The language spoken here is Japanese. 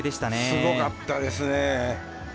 すごかったですね。